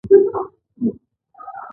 د بندي د تېښتې مسوولیت د اشرافو پر غاړه و.